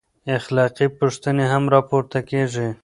اخلاقي پوښتنې هم راپورته کېږي.